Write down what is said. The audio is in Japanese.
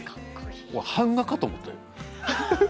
版画かと思ったよ。